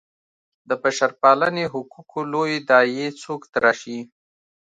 د بشرپالنې حقوقو لویې داعیې څوک تراشي.